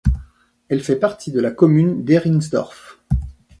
Elle fait partie de la commune d'Heringsdorf.